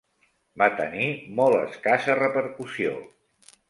Va tenir molt escassa repercussió.